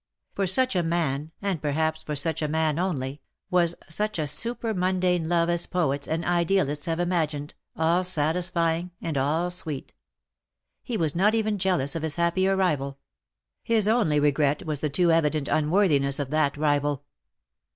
For sucli a man, and perhaps for such a man only, was such a super mundane love as poets and idealists have imagined, all satisfying and all sweet. He was not even jealous of his happier rival ; his only regret was the too evident unworthiness of that rival.